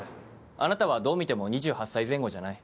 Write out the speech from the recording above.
あなたはどう見ても２８歳前後じゃない。